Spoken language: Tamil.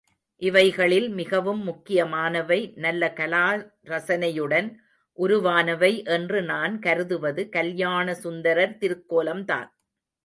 இவைகளில் மிகவும் முக்கியமானவை, நல்ல கலாரசனையுடன் உருவானவை என்று நான் கருதுவது கல்யாணசுந்தரர் திருக்கோலம்தான்.